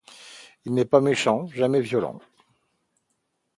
Il n’est pas méchant, jamais violent.